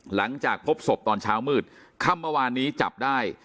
หลังจากพบศพตอนเช้ามืดค่ำเมื่อวานนี้จับได้